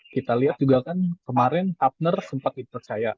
kita lihat juga kan kemarin partner sempat dipercaya